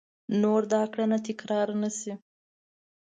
نور دا کړنه تکرار نه شي !